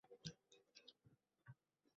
yoniq.